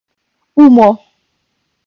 umo